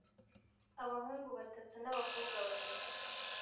abahungu batatu n’abakobwa batatu,